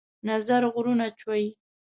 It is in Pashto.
نظر غرونه چوي